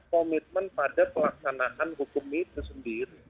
komitmen pada pelaksanaan hukum itu sendiri